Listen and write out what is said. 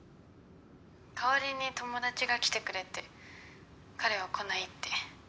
代わりに友達が来てくれて「彼は来ない」って。